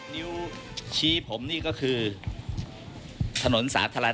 นิ้วชี้ผมนี่ก็คือถนนสาธารณะ